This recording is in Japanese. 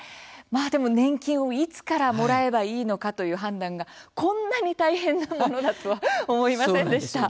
でも年金をいつからもらえばいいのかという判断がこんなに大変なものだとは思いませんでした。